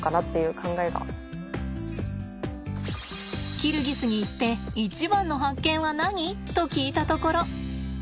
「キルギスに行って一番の発見は何？」と聞いたところ。